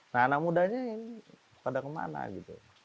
nah anak mudanya ini pada kemana gitu